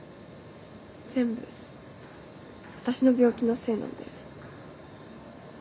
全部私の病気のせいなんだよね。